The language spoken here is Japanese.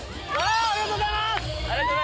ありがとうございます！